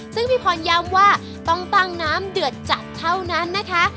ซึ่งพี่พรย้ำว่าต้องตั้งน้ำเดือดจัดเท่านั้นนะคะ